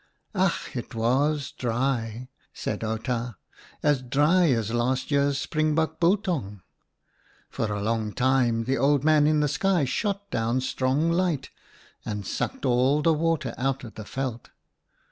" Ach ! it was dry," said Outa, " as dry as last year's springbok biltong. For a long time the Old Man in the sky shot down strong light and sucked all the water out of the veld.